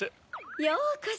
ようこそ！